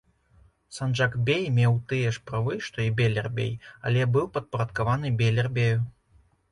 Санджак-бей меў тыя ж правы, што і бейлер-бей, але быў падпарадкаваны бейлер-бею.